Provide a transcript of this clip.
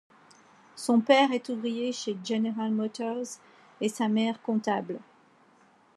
Son père est ouvrier chez General Motors, et sa mère comptable.